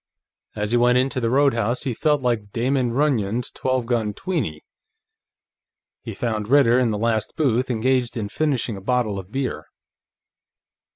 As he went into the roadhouse, he felt like Damon Runyon's Twelve Gun Tweeney. He found Ritter in the last booth, engaged in finishing a bottle of beer.